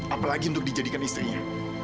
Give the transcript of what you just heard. apalagi untuk dijadikan istrinya